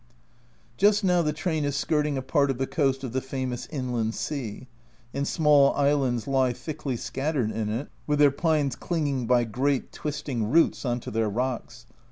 Just now the train is skirting a part of the coast of the famous " Inland Sea," and small islands lie thickly scattered in it, with their pines clinging by great twisting roots on to their rocks.